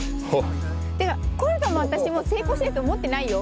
コルトンも私も成功してると思ってないよ。